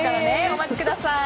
お待ちください。